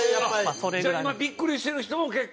じゃあ今ビックリしてる人も結構。